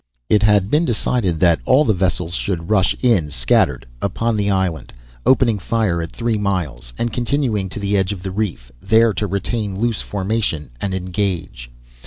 "It had been decided that all the vessels should rush in, scattered, upon the island, opening fire at three miles, and continuing to the edge of the reef, there to retain loose formation and engage.